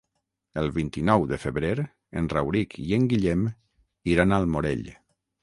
El vint-i-nou de febrer en Rauric i en Guillem iran al Morell.